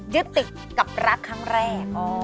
ยึดติดกับรักครั้งแรก